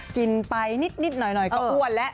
กินไปนิดหน่อยก็อ้วนแล้ว